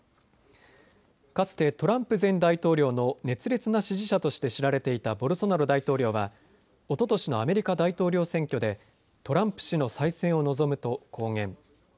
かつてトランプ前大統領の熱烈な支持者として知られていたボルソナロ大統領はおととしのアメリカ大統領選挙でトランプ氏の再選を望むと公言。